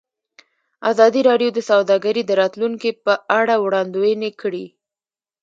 ازادي راډیو د سوداګري د راتلونکې په اړه وړاندوینې کړې.